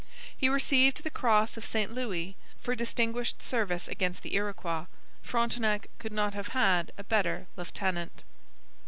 He received the Cross of St Louis for distinguished service against the Iroquois. Frontenac could not have had a better lieutenant.